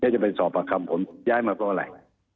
จะไปสอบอากรรมผมย้ายมาเพราะอะไร